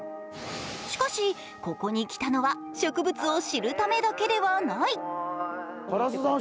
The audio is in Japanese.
しかし、ここに来たのは植物を知るためだけではない。